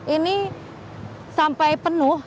ini sampai penuh